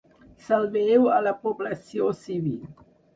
Salveu a la població civil.